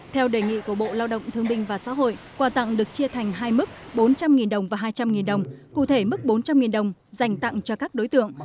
theo đề nghị của bộ lao động thương binh và xã hội quà tặng được chia thành hai mức bốn trăm linh đồng và hai trăm linh đồng cụ thể mức bốn trăm linh đồng dành tặng cho các đối tượng